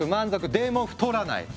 でも太らない！